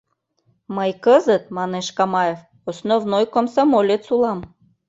— Мый кызыт, — манеш Камаев, — основной комсомолец улам...